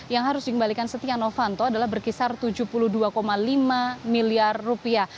yang harus dikembalikan setia novanto adalah berkisar tujuh puluh dua lima miliar rupiah